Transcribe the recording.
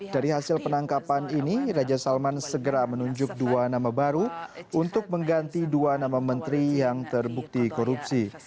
dari hasil penangkapan ini raja salman segera menunjuk dua nama baru untuk mengganti dua nama menteri yang terbukti korupsi